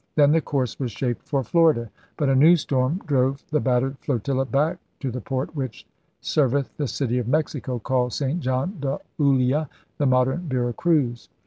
Then the course was shaped for Florida. But a new storm drove the battered flotilla back to *the port which serveth the city of Mexico, called St. John de Ulua, ' the modern Vera Cruz.